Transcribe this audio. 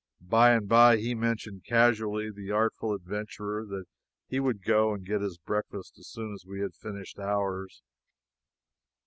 By and by, he mentioned casually the artful adventurer that he would go and get his breakfast as soon as we had finished ours.